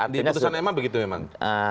di putusan ma begitu memang